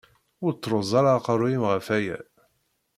Ur ttruẓ ara aqerru-m ɣef aya!